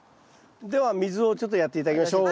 では水をちょっとやって頂きましょう。